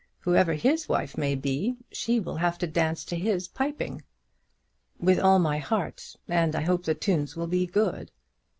Whoever his wife may be, she will have to dance to his piping." "With all my heart; and I hope the tunes will be good."